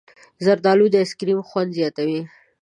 زردالو د ایسکریم خوند زیاتوي.